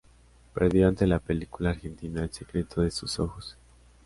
Perdió ante la película argentina "El secreto de sus ojos".